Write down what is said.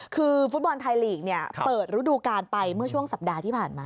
คือฟุตบอลไทยลีกเปิดฤดูการไปเมื่อช่วงสัปดาห์ที่ผ่านมา